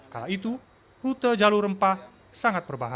kala itu rute jalur rempah sangat berbahaya